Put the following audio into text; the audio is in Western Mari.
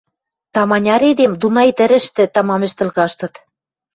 Таманяр эдем Дунай тӹрӹштӹ тамам ӹштӹл каштыт.